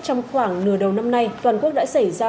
trong khoảng nửa đầu năm nay